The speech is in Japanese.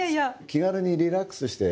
気軽に、リラックスして。